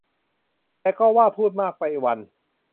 แต่ว่าก็พูดมากไปวัน